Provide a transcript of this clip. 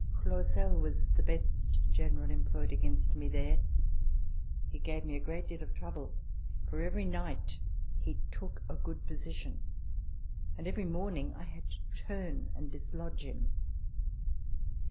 Clausel was the best general employed against me there. He gave me a great deal of trouble ; for every night he took a good position, and every morning I had to turn and dislodge him.